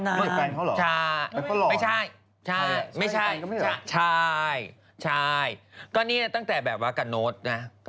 นั่นแฟนเขาเหรอใช่ไม่ใช่ใช่ใช่ตั้งแต่แบบว่ากับโน๊ตนะ